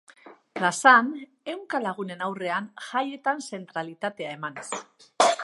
Plazan, ehunka lagunen aurrean, jaietan zentralitatea emanez.